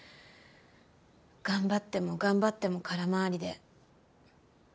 頑張っても頑張っても空回りで。